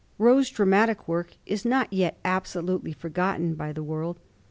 Rowe's dramatic work is not yet absolutely forgotten by the world.